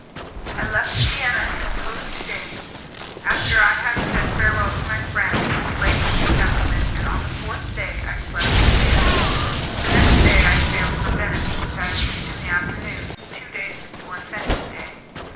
I left Vienna in a post chaise, after I had said farewell to my friends, ladies and gentlemen, and on the fourth day I slept in Trieste. The next day I sailed for Venice, which I reached in the afternoon, two days before Ascension Day.